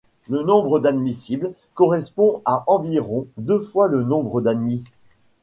Le nombre d’admissibles correspond à environ deux fois le nombre d’admis.